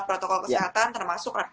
protokol kesehatan termasuk